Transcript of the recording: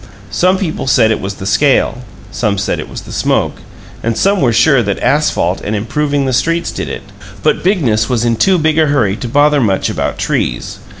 Some people said it was the scale; some said it was the smoke; and some were sure that asphalt and "improving" the streets did it; but Bigness was in too Big a hurry to bother much about trees.